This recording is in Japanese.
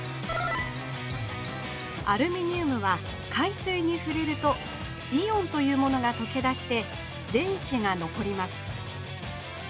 アルミニウムは海水にふれるとイオンというものがとけだして電子がのこります。